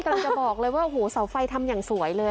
กำลังจะบอกเลยว่าโอ้โหเสาไฟทำอย่างสวยเลย